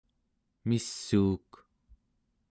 missuuk